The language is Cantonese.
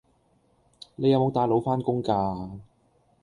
你有冇帶腦返工㗎